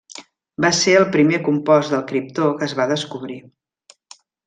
Va ser el primer compost del criptó que es va descobrir.